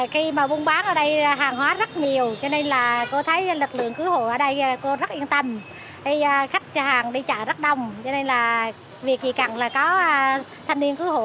khi mà buôn bán ở đây hàng hóa rất nhiều cho nên là cô thấy lực lượng cứu hộ ở đây cô rất yên tâm khách hàng đi chợ rất đông cho nên là việc gì cần là có thanh niên cứu hộ